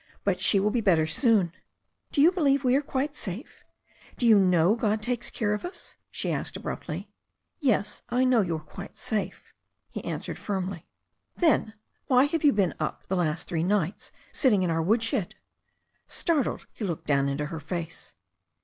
But she will be better soon." "Do you believe we are quite safe? Do you know God takes care of us?" she asked abruptly. "Yes, I know that you are quite safe," he answered firmly. "Then, why have you been up the last three nights sit ting in our woodshed?" Startled, he looked down into her face.